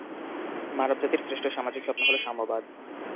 মানবজাতির শ্রেষ্ঠ সামাজিক স্বপ্ন হলো সাম্যবাদ।